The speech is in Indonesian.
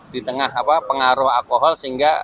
di tengah pengaruh alkohol sehingga